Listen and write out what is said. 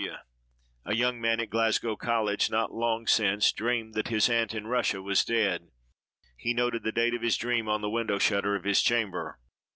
W——, a young man at Glasgow college, not long since dreamed that his aunt in Russia was dead. He noted the date of his dream on the window shutter of his chamber.